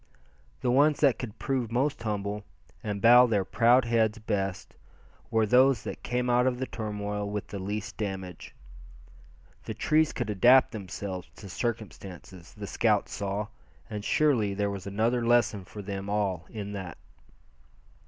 The ones that could prove most humble, and bow their proud heads, best, were those that came out of the turmoil with the least damage. The trees could adapt themselves to circumstances, the scouts saw; and surely there was another lesson for them all in that.